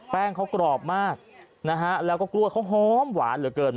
แป้งเขากรอบมากนะฮะแล้วก็กล้วยเขาหอมหวานเหลือเกิน